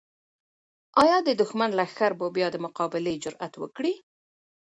آیا د دښمن لښکر به بیا د مقابلې جرات وکړي؟